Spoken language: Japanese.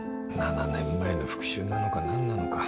７年前の復讐なのか何なのか。